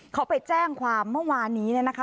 เขาไปแจ้งความเมื่อวานนี้เนี่ยนะคะ